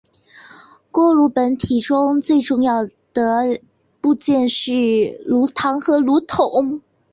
锅炉本体中两个最主要的部件是炉膛和锅筒。